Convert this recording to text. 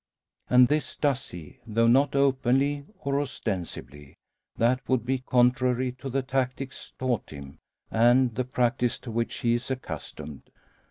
And this does he; though not openly, or ostensibly. That would be contrary to the tactics taught him, and the practice to which he is accustomed.